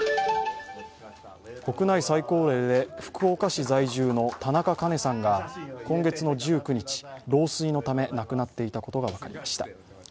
国内最高齢で福岡市在住の田中カ子さんが今月の１９日、老衰のため亡くなっていたことが分かりました。